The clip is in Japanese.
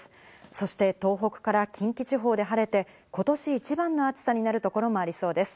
そして東北から近畿地方で晴れて今年一番の暑さになるところもありそうです。